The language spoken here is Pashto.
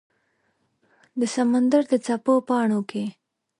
د سمندردڅپو پاڼو کې